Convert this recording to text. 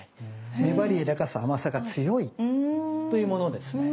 粘りやわらかさ甘さが強いというものですね。